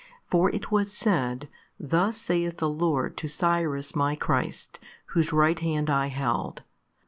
For it was said, Thus saith the Lord to Cyrus My christ, whose right hand I held.